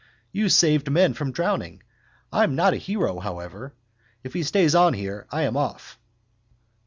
You saved men from drowning. I'm not a hero, however. If he stays on here I am off.